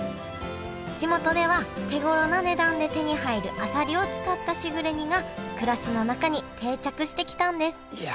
地元では手ごろな値段で手に入るあさりを使ったしぐれ煮が暮らしの中に定着してきたんですいや